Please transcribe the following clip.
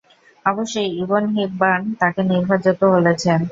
অবশ্য Ibn Hibban তাকে নির্ভরযোগ্য বলেছেন।